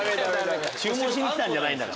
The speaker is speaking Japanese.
注文しに来たんじゃないんだから。